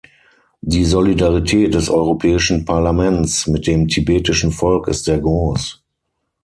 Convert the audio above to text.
Die Solidarität des Europäischen Parlaments mit dem tibetischen Volk ist sehr groß.